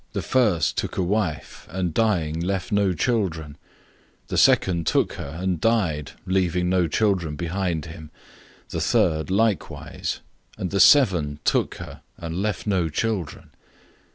The first took a wife, and dying left no offspring. 012:021 The second took her, and died, leaving no children behind him. The third likewise; 012:022 and the seven took her and left no children.